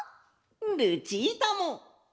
ルチータも！